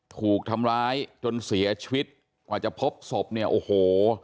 ถูกทำร้ายจนเสียชีวิตกว่าจะพบศพเนี่ยโอ้โห